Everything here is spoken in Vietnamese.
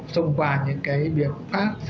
xông qua những biện pháp